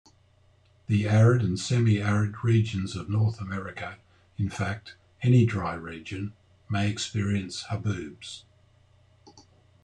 The arid and semiarid regions of North America-in fact, any dry region-may experience haboobs.